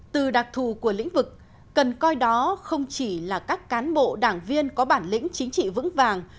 từ đặc thù của lĩnh vực cần coi đó không chỉ là các cán bộ đảng viên có bản lĩnh chính trị vững vàng